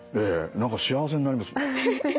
何か幸せになります。